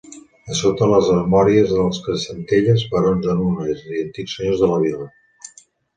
A sota, les armories dels Centelles, barons de Nules i antics senyors de la vila.